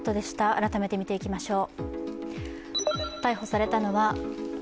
改めて見ていきましょう。